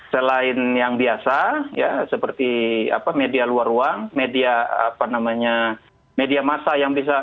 selain yang biasa ya seperti media luar ruang media masa yang bisa